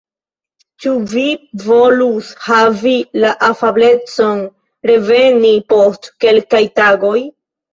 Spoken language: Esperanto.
Ĉu vi volus havi la afablecon reveni post kelkaj tagoj?